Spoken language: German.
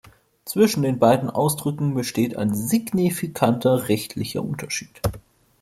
Zwischen den beiden Ausdrücken besteht ein signifikanter rechtlicher Unterschied.